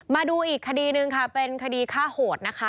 มาดูอีกคดีหนึ่งค่ะเป็นคดีฆ่าโหดนะคะ